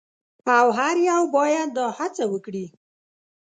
او هر یو باید دا هڅه وکړي.